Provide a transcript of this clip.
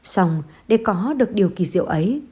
xong để có được điều kỳ diệu ấy